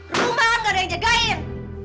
rumah gak ada yang jagain